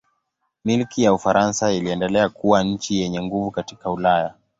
Milki ya Ufaransa iliendelea kuwa nchi yenye nguvu katika Ulaya.